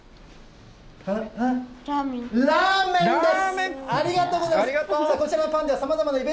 ラーメンです。